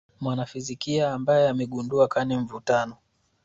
mwanafizikia ambaye amegundua kani mvutano